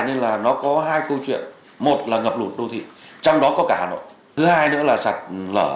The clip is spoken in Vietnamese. nên là nó có hai câu chuyện một là ngập lụt đô thị trong đó có cả hà nội thứ hai nữa là sạt lở